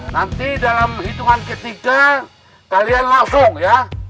nanti dalam hitungan ketiga kalian langsung ya